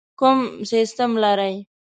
کوم سیسټم لرئ؟